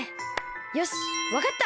よしわかった。